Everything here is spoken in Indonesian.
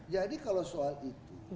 jadi kalau soal itu